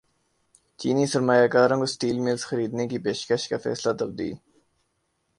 چینی سرمایہ کاروں کو اسٹیل ملز خریدنے کی پیشکش کا فیصلہ تبدیل